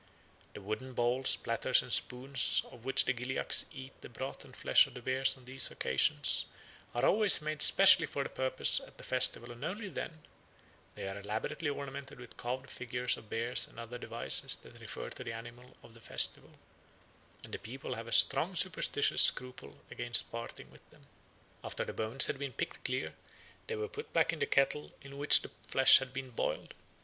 The wooden bowls, platters, and spoons out of which the Gilyaks eat the broth and flesh of the bears on these occasions are always made specially for the purpose at the festival and only then; they are elaborately ornamented with carved figures of bears and other devices that refer to the animal or the festival, and the people have a strong superstitious scruple against parting with them. After the bones had been picked clean they were put back in the kettle in which the flesh had been boiled.